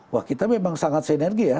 wah kita memang sangat sinergi ya